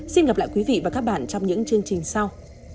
xin gặp lại quý vị và các bạn trong những chương trình sau